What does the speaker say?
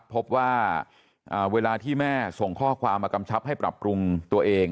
พบว่าเวลาที่แม่ส่งข้อความมากำชับให้ปรับปรุงตัวเอง